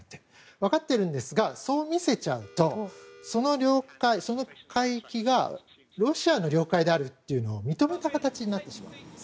分かってはいるんですがそう見せちゃうとその領海、その海域がロシアの領海であると認めた形になってしまうんです。